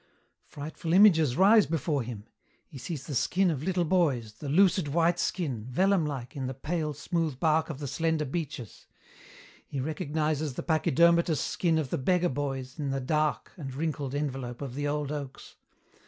"Frightful images rise before him. He sees the skin of little boys, the lucid white skin, vellum like, in the pale, smooth bark of the slender beeches. He recognizes the pachydermatous skin of the beggar boys in the dark and wrinkled envelope of the old oaks.